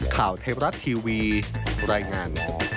ข่าวเทรัตน์ทีวีรายงาน